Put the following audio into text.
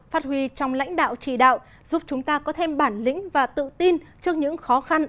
phát huy trong lãnh đạo trì đạo giúp chúng ta có thêm bản lĩnh và tự tin trước những khó khăn